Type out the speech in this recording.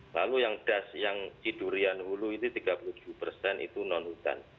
lalu yang das yang cidurian hulu itu tiga puluh tujuh persen itu non hutan